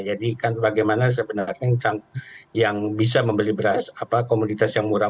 jadi bagaimana sebenarnya yang bisa membeli beras komunitas yang murah